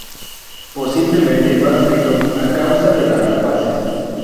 Posiblemente más gritos a causa de las rapaces".